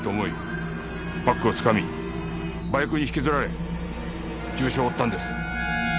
バッグをつかみバイクに引きずられ重傷を負ったんです。